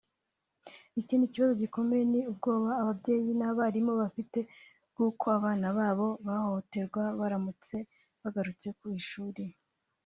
Ikindi kibazo gikomeye ni ubwoba ababyeyi n’abarimu bafite bw’uko abana babo bahohoterwa baramutse bagarutse ku ishuri